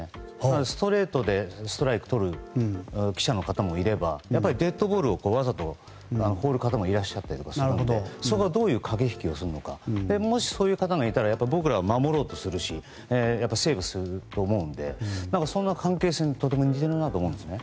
ストレートでストライクをとる記者の方もいればデッドボールをわざと放る方もいるのでそこでどういう駆け引きをするかもし、そういう方がいたら僕らは守ろうとするしセーブすると思うのでその関係性に似ているなと思うんですね。